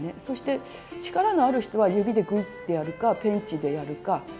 そして力のある人は指でグイッてやるかペンチでやるか。